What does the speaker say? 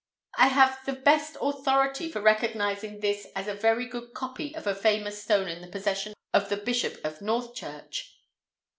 "I have the best authority for recognizing this as a very good copy of a famous stone in the possession of the Bishop of Northchurch."